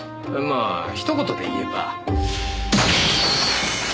まあひと言で言えば。